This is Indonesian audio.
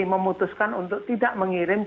tapi negara yang sudah secara terbiasa mengirim haji